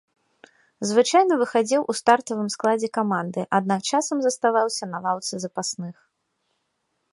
Звычайна выхадзіў у стартавым складзе каманды, аднак часам заставаўся на лаўцы запасных.